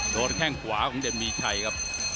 แข้งขวาของเด่นมีชัยครับ